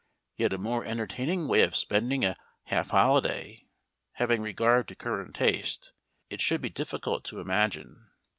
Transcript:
Yet a more entertaining way of spending a half holiday having regard to current taste it should be difficult to imagine.